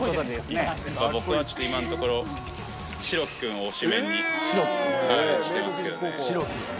僕はちょっと、今のところ、代木君を推しメンにしてますけれどもね。